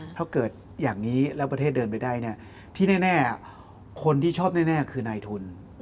ถ้าเกิดอย่างนี้แล้วประเทศเดินไปได้ที่แน่คนที่ชอบแน่คือนายทุน